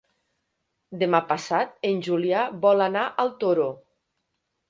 Demà passat en Julià vol anar al Toro.